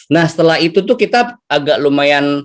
nah setelah itu tuh kita agak lumayan